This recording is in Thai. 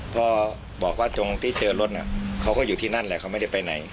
พอบอกว่าตรงที่เจอรถเขาก็อยู่ที่นั่นแหละเขาไม่ได้ไปไหน